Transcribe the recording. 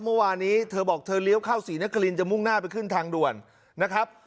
เมื่อวานนี้เธอบอกเธอเลี้ยวเข้าศรีนครินจะมุ่งหน้าไปขึ้นทางด่วนนะครับ